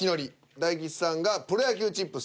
大吉さんが「プロ野球チップス」。